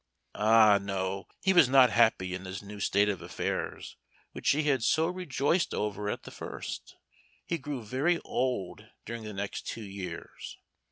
Ah, no! he was not happy in this new state of affairs, which he had so rejoiced over at the first. He grew very old during the next two years.